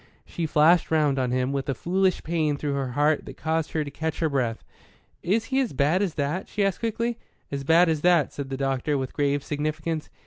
She flashed round on him, with a foolish pain through her heart that caused her to catch her breath. "Is he as bad as that?" she asked quickly. "As bad as that," said the doctor, with grave significance.